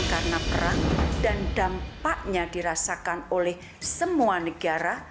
karena perang dan dampaknya dirasakan oleh semua negara